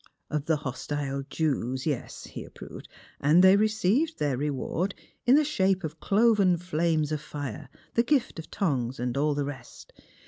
'' Of the hostile Jews; yes," he approved, '' and they received their reward in the shape of cloven flames of fire, the gift of tongues, and all the rest.